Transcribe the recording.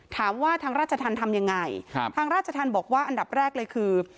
ถามว่าทางราชธรรมทำยังไงทางราชธรรมบอกว่าอันดับแรกเลยคือ